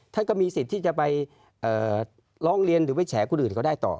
ท่านก็มีสิทธิ์ที่จะไปร้องเรียนหรือไปแฉคนอื่นก็ได้ต่อ